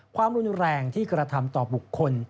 ความรุนแรงที่กระทำต่อบุคคล